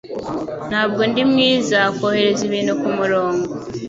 Ntabwo ndi mwiza kohereza ibintu kumurongo.